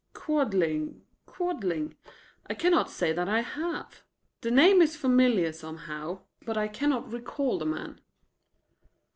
"Quadling Quadling? I cannot say that I have. The name is familiar somehow, but I cannot recall the man."